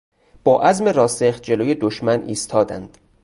با عزم راسخ جلوی دشمن ایستادند.